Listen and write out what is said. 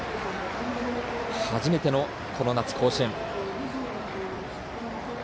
初めての、この夏甲子園。